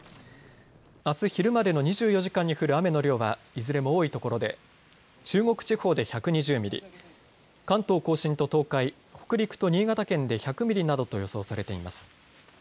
あす昼までの２４時間に降る雨の量はいずれも多いところで中国地方で１２０ミリ、関東甲信と東海、北陸と新潟県で１００ミリなどと予想されています。